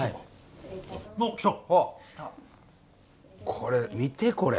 これ見てこれ。